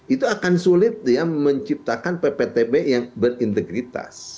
itu akan sulit ya menciptakan pptb yang berintegritas